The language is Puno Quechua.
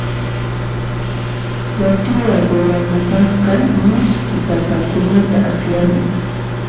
Wathiya ruwanapaqqa misk'i papakunata akllana.